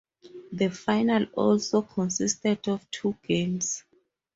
The final also consisted of two games.